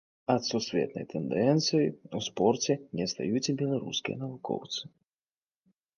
Ад сусветнай тэндэнцыі ў спорце не адстаюць і беларускія навукоўцы.